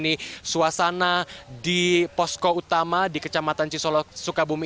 di suasana di posko utama di kecamatan cisolo sukabumi